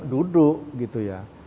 duduk gitu ya